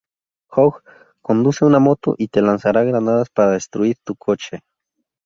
Hogg conduce una moto y te lanzará granadas para destruir tu coche.